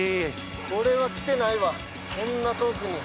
これは来てないわこんな遠くに。